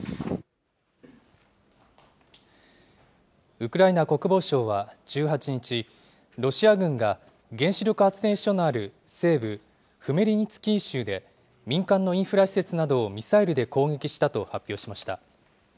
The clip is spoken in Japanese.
ウクライナ国防省は１８日、ロシア軍が原子力発電所のある西部フメリニツキー州で、民間のインフラ施設などをミサイルで攻撃したと発表しました。